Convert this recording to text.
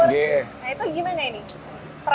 dari penampungnya blur